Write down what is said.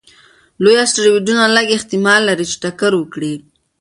لوی اسټروېډونه لږ احتمال لري چې ټکر وکړي.